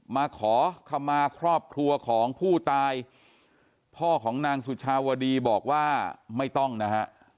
มาขอคำมาครอบครัวของผู้ตายพ่อของนางสุชาวดีบอกว่าไม่ต้องนะฮะ